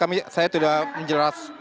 mohon diulangi saya sudah menjelas